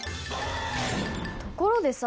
ところでさ